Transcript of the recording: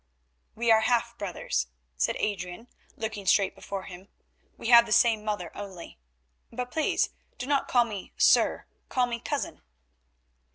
"We are half brothers," said Adrian looking straight before him; "we have the same mother only; but please do not call me 'sir,' call me 'cousin.